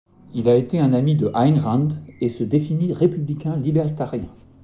Il a été un ami de Ayn Rand et se définit républicain libertarien.